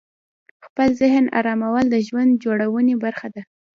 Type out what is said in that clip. خپل ذهن آرامول د ژوند جوړونې برخه ده.